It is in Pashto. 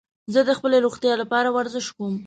زه د خپلې روغتیا لپاره ورزش کوم.